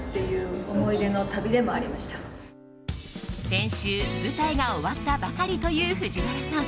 先週、舞台が終わったばかりという藤原さん。